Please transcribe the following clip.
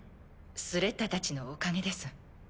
スレッタたちのおかげです。